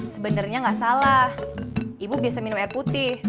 sebenarnya nggak salah ibu biasa minum air putih